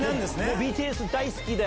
ＢＴＳ大好きで？